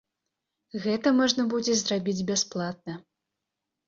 Гэта можна будзе зрабіць бясплатна.